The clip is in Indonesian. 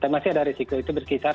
masih ada risiko itu berkisar